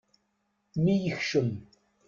Mi yekcem.